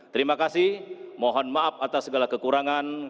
terima kasih mohon maaf atas segala kekurangan